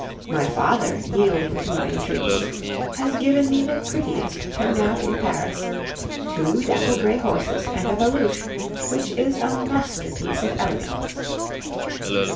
My father, yielding to my entreaties, has given me the prettiest turnout in Paris two dapple gray horses and a barouche, which is a masterpiece of elegance.